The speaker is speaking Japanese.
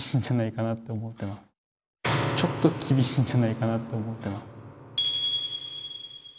ちょっと厳しいんじゃないかなと思ってます。